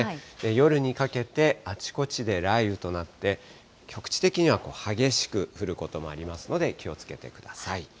夜にかけてあちこちで雷雨となって、局地的には激しく降ることもありますので、気をつけてください。